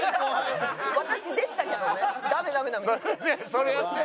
それやって。